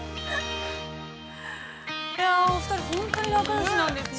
◆お二人、本当に仲よしなんですね。